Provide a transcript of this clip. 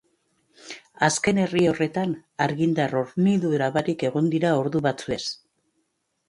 Azken herri horretan, argindar hornidura barik egon dira ordu batzuez.